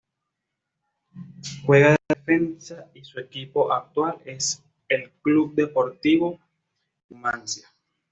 Juega de defensa y su equipo actual es el Club Deportivo Numancia.